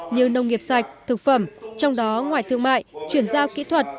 như nông nghiệp sạch thực phẩm trong đó ngoài thương mại chuyển giao kỹ thuật